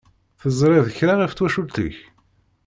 Teẓṛiḍ kra ɣef twacult-ik?